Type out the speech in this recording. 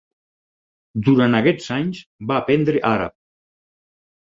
Durant aquests anys va aprendre àrab.